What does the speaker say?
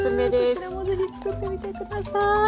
こちらも是非つくってみて下さい。